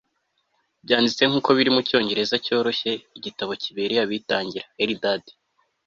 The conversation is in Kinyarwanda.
byanditswe nkuko biri mucyongereza cyoroshye, igitabo kibereye abitangira. (eldad